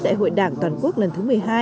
đại hội đảng toàn quốc lần thứ một mươi hai